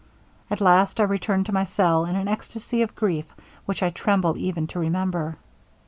At last I returned to my cell in an ecstasy of grief which I tremble even to remember.